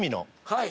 はい。